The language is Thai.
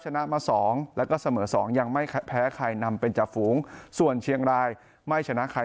ชนะมาสองแล้วก็เสมอ๒ยังไม่แพ้ใครนำเป็นจ่าฝูงส่วนเชียงรายไม่ชนะใคร